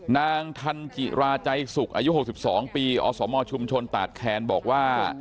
นางทันจิราใจสุขอายุ๖๒ปีอสมชุมชนตาดแคนบอกว่า